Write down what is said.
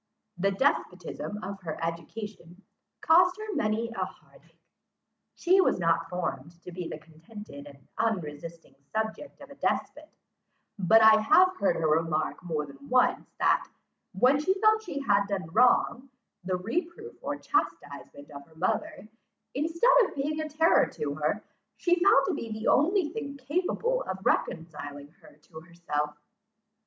The despotism of her education cost her many a heart ache. She was not formed to be the contented and unresisting subject of a despot; but I have heard her remark more than once, that, when she felt she had done wrong, the reproof or chastisement of her mother, instead of being a terror to her, she found to be the only thing capable of reconciling her to herself.